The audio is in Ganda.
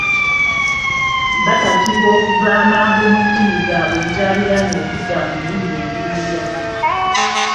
Bakakibwa okuva amangu mu nnimi zaabwe enzaaliranwa okudda mu nnimi engwira